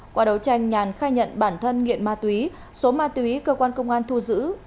qua đấu tranh nhàn khai nhận bản thân nghiện ma túy số ma túy cơ quan công an thu giữ